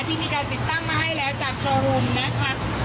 ที่มีการติดตั้งมาให้แล้วจากโชว์รูมนะคะ